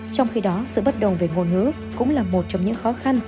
trong khi đó sự bất đồng về ngôn ngữ cũng là một trong những khó khăn